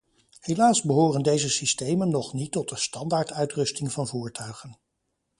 Helaas behoren deze systemen nog niet tot de standaard uitrusting van voertuigen.